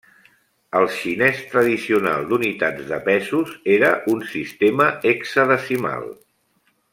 El xinès tradicional d'unitats de pesos era un sistema hexadecimal.